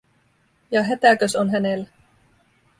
Ja hätäkös on hänellä.